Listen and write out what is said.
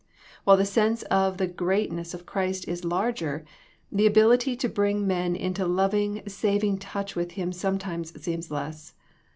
While the sense of the greatness of Christ is larger, the ability to bring men into lov ing, saving touch with Him sometimes seems less.